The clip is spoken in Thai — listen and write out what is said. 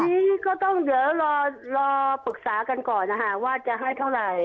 ทีนี้ก็ต้องเดี๋ยวรอปรึกษากันก่อนนะคะว่าจะให้เท่าไหร่